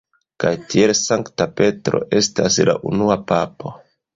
Kaj tiel Sankta Petro estas la unua papo.